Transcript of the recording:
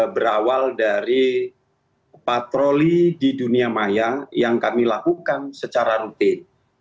berawal dari patroli di dunia maya yang kami lakukan secara rutin